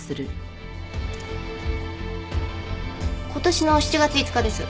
今年の７月５日です。